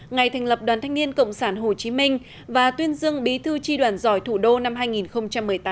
ngày thành lập đoàn thanh niên cộng sản hồ chí minh và tuyên dương bí thư tri đoàn giỏi thủ đô năm hai nghìn một mươi tám